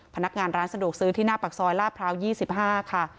พนักงานร้านสะดวกซื้อที่หน้าปากซอยลาดพร้าว๒๕ค่ะ